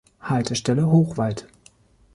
Haltestelle: "Hochwald"